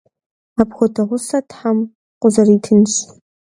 Апхуэдэ гъусэ Тхьэм къузэритынщ.